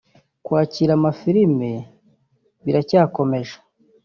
Kwakira amafilime biracyakomeje